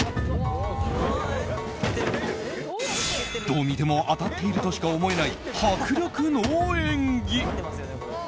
どう見ても当たっているとしか思えない迫力の演技。